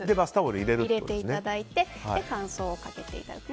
入れていただいて乾燥をかけていただく。